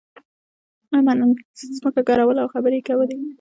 احمد نن ځمکه ګروله او خبرې يې کولې.